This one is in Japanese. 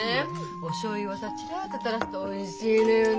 おしょうゆをさちらっとたらすとおいしいのよね。